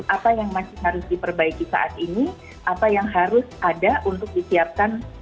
apa yang masih harus diperbaiki saat ini apa yang harus ada untuk disiapkan